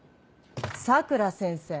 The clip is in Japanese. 佐倉先生